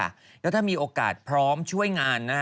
แล้วถ้ามีโอกาสพร้อมช่วยงานนะฮะ